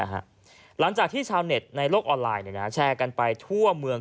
หลังจากที่ชาวเน็ตในโลกออนไลน์แชร์กันไปทั่วเมือง